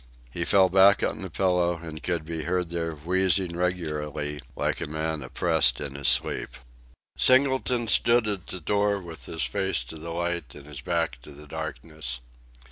He fell back on the pillow, and could be heard there wheezing regularly like a man oppressed in his sleep. Singleton stood at the door with his face to the light and his back to the darkness.